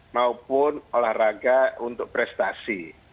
maupun olahraga untuk prestasi